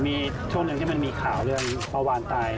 มีช่วงหนึ่งที่มันมีข่าวเรื่องปลาวานตาย